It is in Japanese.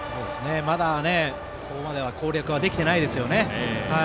まだここまで攻略できてないですね。